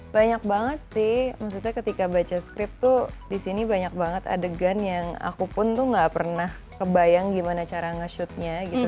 banyak banget sih maksudnya ketika baca script tuh disini banyak banget adegan yang aku pun tuh gak pernah kebayang gimana cara nge shootnya gitu